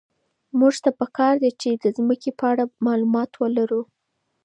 موږ ته په کار ده چي د مځکي په اړه معلومات ولرو.